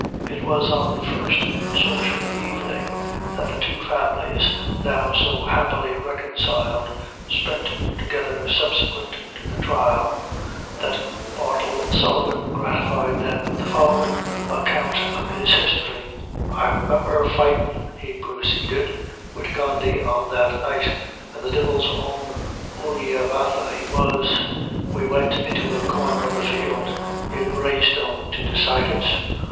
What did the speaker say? It was on the first social evening that the two families, now so happily reconciled, spent together subsequent to the trial, that Bartle Sullivan gratified them with the following account of his history: "I remimber fightin'," he proceeded, "wid Condy on that night, an' the devil's own bulliah battha he was. We went into a corner of the field near the Grey Stone to decide it.